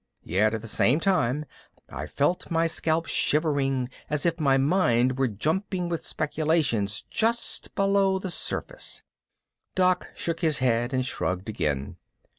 Yet at the same time I felt my scalp shivering as if my mind were jumping with speculations just below the surface. Doc shook his head and shrugged again.